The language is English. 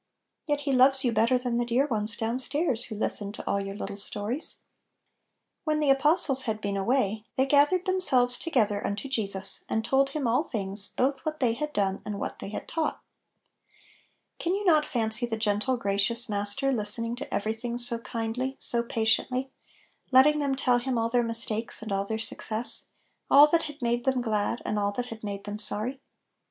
Yet He loves you better than the dear ones down stairs, who listened to aU your little stories. "When the apostles had been away, they "gathered themselves together •unto Jesus, and told Him all things, both what they had done, and what they had taught" Can you not fancy the gentle, gracious Master listening to every thing so kindly, so patiently, let ting them tell Him all their mistakes and all their success, all that had made them glad and all that had made them sorry?